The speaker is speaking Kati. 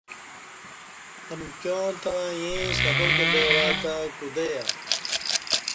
امکیاں تہ ییں سبق بارہ تہ کود یہ